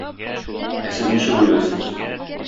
Ә сез ничек уйлыйсыз?